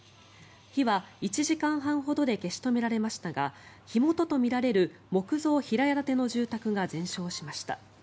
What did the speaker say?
火は１時間半ほどで消し止められましたが火元とみられる木造平屋建ての住宅が全焼しました。